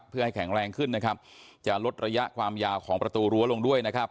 เพื่อให้แข็งแรงขึ้นนะครับจะลดระยะความยาวของประตูรั้วลงด้วยนะครับ